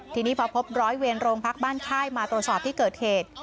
ทีนี้พอพบร้อยเวรโรงพักบ้านค่ายมาตรวจสอบที่เกิดเหตุ